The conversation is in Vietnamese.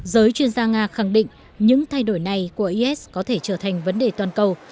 giới chuyên gia nga khẳng định những thay đổi này của is có thể trở thành vấn đề toàn cầu